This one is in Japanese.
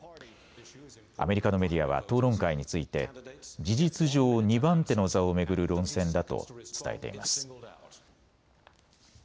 アメリカのメディアは討論会について事実上、２番手の座を巡る論戦だと伝えています。